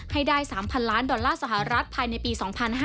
ให้ได้๓๐๐ล้านดอลลาร์สหรัฐภายในปี๒๕๕๙